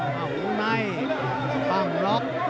หูในป้องล็อก